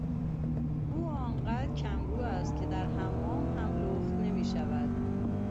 او آنقدر کمرو است که در حمام هم لخت نمیشود.